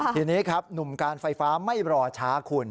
ทีนี้ครับหนุ่มการไฟฟ้าไม่รอช้าคุณ